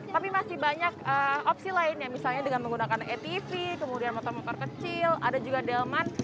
tapi masih banyak opsi lainnya misalnya dengan menggunakan atp kemudian motor motor kecil ada juga delman